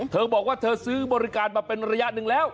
เธอบอกว่าเธอซื้อบริการมาเป็นระยะหนึ่งแล้ว